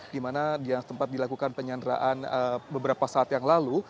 di mana tempat dilakukan penyandangan beberapa saat yang lalu